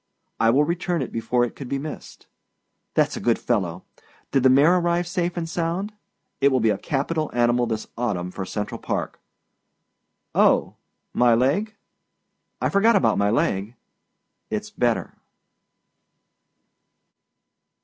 I will return it before it could be missed. Thatâs a good fellow! Did the mare arrive safe and sound? It will be a capital animal this autumn for Central Park. Oh my leg? I forgot about my leg. Itâs better.